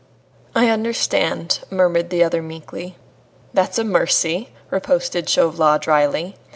"I understand," murmured the other meekly. "That's a mercy!" riposted Chauvelin dryly.